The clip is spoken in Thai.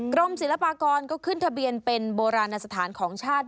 กรมศิลปากรก็ขึ้นทะเบียนเป็นโบราณสถานของชาติ